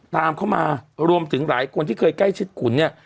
ตามเข้ามารวมถึงหลายคนที่เคยใกล้ชิดขุนเนี่ย